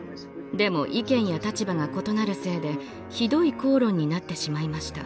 でも意見や立場が異なるせいでひどい口論になってしまいました。